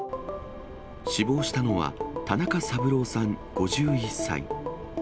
死亡したのは、田中三郎さん５１歳。